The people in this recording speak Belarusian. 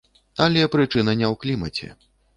Але прычына не ў клімаце.